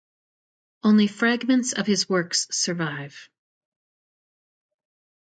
Only fragments of his works survive.